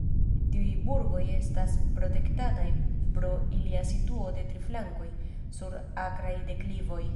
Tiuj burgoj estas protektataj pro ilia situo de tri flankoj sur akraj deklivoj.